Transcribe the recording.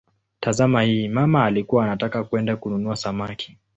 Tazama hii: "mama alikuwa anataka kwenda kununua samaki".